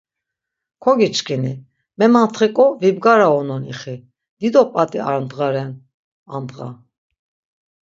Kogiçkini, memantxik̆o vibgaraunon ixi, dido p̌at̆i ar dğa ren andğa.